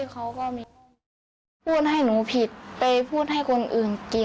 คือหนูไปขอโทษน้องค่ะหนูไม่กล้าไปหาที่บ้านหรอกค่ะ